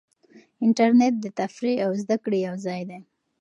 انټرنیټ د تفریح او زده کړې یو ځای دی.